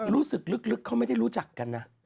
รู้สึกลึกเขาไม่ได้รู้จักกันนะ